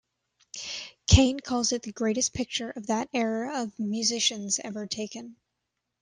Kane calls it the greatest picture of that era of musicians ever taken.